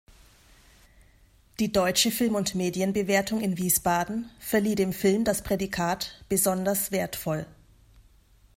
Die "Deutsche Film- und Medienbewertung" in Wiesbaden verlieh dem Film das Prädikat „besonders wertvoll“.